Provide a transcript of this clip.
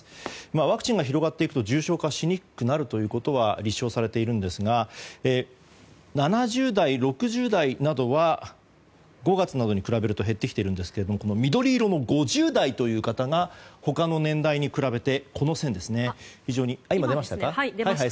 ワクチンが広がっていくと重症化しにくくなるということは立証されているんですが７０代、６０代などは５月などに比べると減ってきているんですけれども緑色の５０代という方が他の年代に比べて。